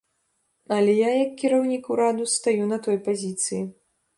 Але я як кіраўнік ураду стаю на той пазіцыі.